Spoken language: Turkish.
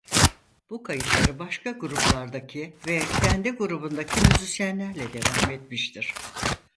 Bu kayıtları başka gruplardaki ve kendi grubundaki müzisyenlerle devam etmiştir.